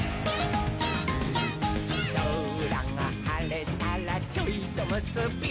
「そらがはれたらちょいとむすび」